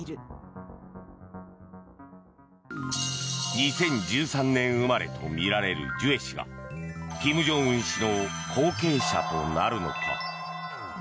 ２０１３年生まれとみられるジュエ氏が金正恩氏の後継者となるのか。